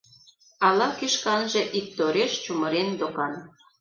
Ала-кӧ шканже иктореш чумырен докан.